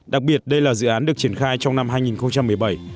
đặc biệt đây là dự án được triển khai trong năm hai nghìn hai mươi